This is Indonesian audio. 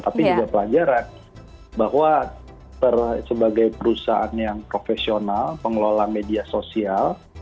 tapi juga pelajaran bahwa sebagai perusahaan yang profesional pengelola media sosial